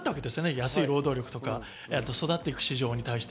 安い労働力とか、育っていく市場に対して。